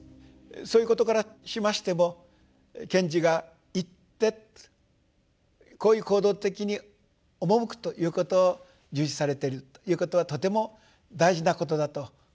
そういうことからしましても賢治が「行ッテ」とこういう行動的に赴くということを重視されているということはとても大事なことだと。